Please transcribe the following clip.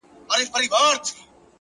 پوهه د پرمختللي ژوند بنسټ دی,